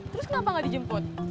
terus kenapa nggak dijemput